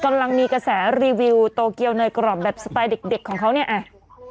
กำลังมีกระแสรีวิวโตเกียวเนยกรอบแบบสไตล์เด็กของเขาเนี่ยอ่ะ